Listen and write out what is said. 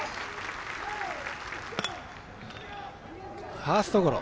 ファーストゴロ。